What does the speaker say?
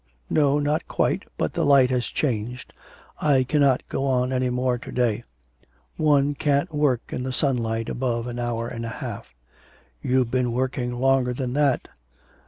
'No, not quite, but the light has changed. I cannot go on any more to day. One can't work in the sunlight above an hour and a half.' 'You've been working longer than that.'